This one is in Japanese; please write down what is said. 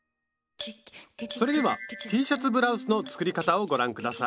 それではＴシャツブラウスの作り方をご覧ください。